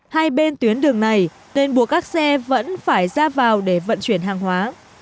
hai bên tuyến đường này nên buộc các xe vẫn phải ra vào để vận chuyển hàng hóa